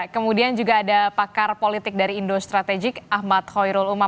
kemudian juga ada pakar politik dari indo strategik ahmad khairul umam